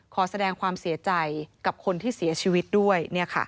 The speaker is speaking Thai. ขอแสดงความเสียใจกับคนที่เสียชีวิตด้วย